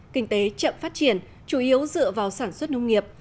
kinh tế chậm phát triển chủ yếu dựa vào sản xuất nông nghiệp